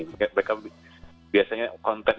mungkin mereka biasanya kontak